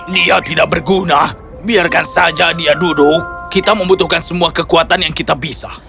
dia tidak berguna biarkan saja dia duduk kita membutuhkan semua kekuatan yang kita bisa